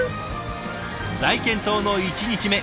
大健闘の１日目